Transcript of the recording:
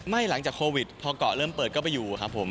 หลังจากโควิดพอเกาะเริ่มเปิดก็ไปอยู่ครับผม